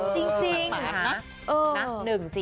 จริง